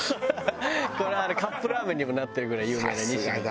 これあれカップラーメンにもなってるぐらい有名なにし乃ですよ。